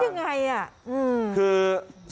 คือซ้อนในซ้อนครับ